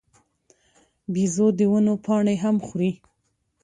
بیزو د ونو پاڼې هم خوري.